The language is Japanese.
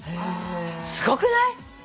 すごくない？